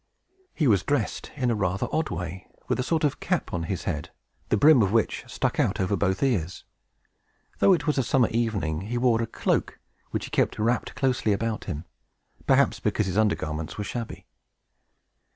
He was dressed in rather an odd way, with a sort of cap on his head, the brim of which stuck out over both ears. Though it was a summer evening, he wore a cloak, which he kept wrapt closely about him, perhaps because his under garments were shabby.